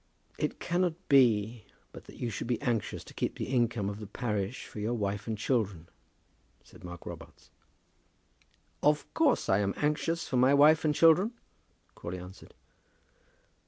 "It cannot be but that you should be anxious to keep the income of the parish for your wife and children," said Mark Robarts. "Of course, I am anxious for my wife and children," Crawley answered.